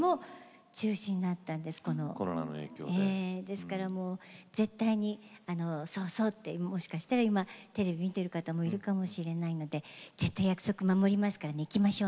ですからもう絶対にそうそうってもしかしたら今テレビ見てる方もいるかもしれないので絶対約束守りますからね行きましょうね。